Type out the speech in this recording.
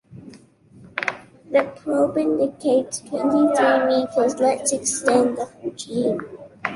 The probe indicates twenty-three meters. Let’s extend the whole chain.